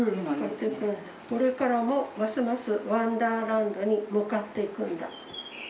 「これからもますますワンダーランドに向かっていくんだ」。